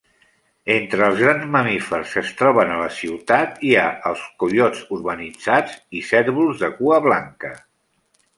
Entre els grans mamífers que es troben a la ciutat hi ha els coiots urbanitzats i cérvols de cua blanca.